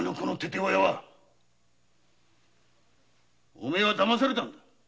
お前はだまされたんだ。